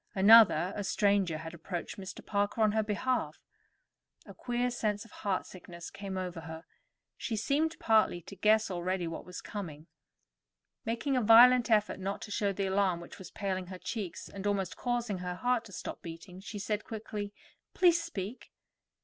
Another, a stranger had approached Mr. Parker on her behalf. A queer sense of heartsickness came over her; she seemed partly to guess already what was coming. Making a violent effort not to show the alarm which was paling her cheeks, and almost causing her heart to stop beating, she said quickly: "Please speak."